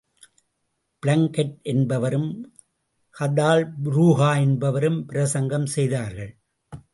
Blanket என்பவரும் கதால் புருகா என்பவரும் பிரசங்கம் செய்தார்கள்.